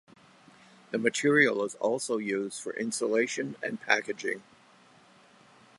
The material is also used for insulation and packaging.